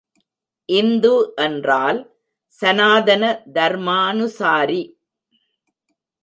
இந்து என்றால், சனாதன தர்மானுசாரி!